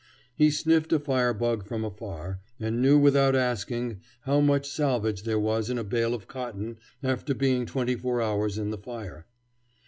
He sniffed a firebug from afar, and knew without asking how much salvage there was in a bale of cotton after being twenty four hours in the fire.